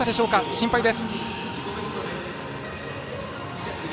心配です。